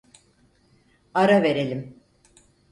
Ara verelim.